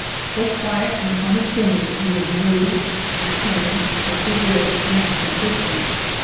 Though quiet and unassuming he was nervy, determined, persevering and persistent.